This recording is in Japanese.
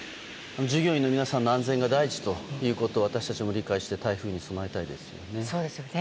従業員の皆さんの安全が第一ということを私たちも理解して台風に備えたいですよね。